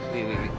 terima kasih pak